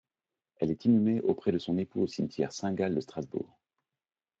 Elle est inhumée auprès de son époux au cimetière Saint-Gall de Strasbourg.